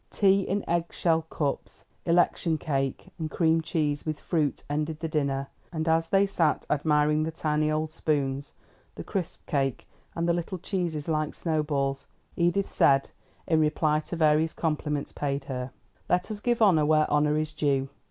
Tea in egg shell cups, election cake and cream cheese with fruit ended the dinner; and as they sat admiring the tiny old spoons, the crisp cake, and the little cheeses like snow balls, Edith said, in reply to various compliments paid her: "Let us give honor where honor is due.